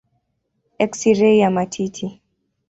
Eksirei ya matiti.